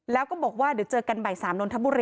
แล้วก็บอกว่าเดี๋ยวเจอกันบ่าย๓นนทบุรี